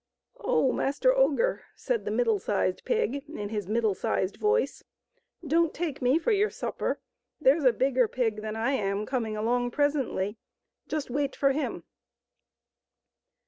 " Oh, Master Ogre," said the middle sized pig, in his middle sized voice, " don't take me for your supper ; there's a bigger pig than I am coming along presently. Just wait for him."